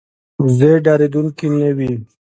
وزې ډارېدونکې نه وي